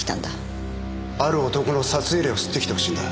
ある男の札入れを掏ってきてほしいんだ。